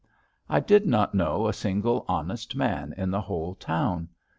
I did not know a single honest man in the whole town.